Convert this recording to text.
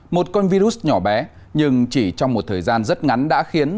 một con virus nhỏ bé nhưng chỉ trong một thời gian rất ngắn đã khiến